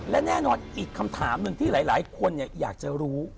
และแน่นอนอีกคำถามหนึ่งที่หลายคนอยากจะรู้